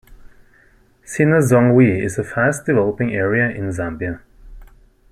Sinazongwe is a fast developing area in Zambia.